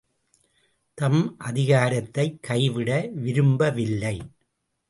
தம் அதிகாரத்தைக் கைவிட விரும்பவில்லை.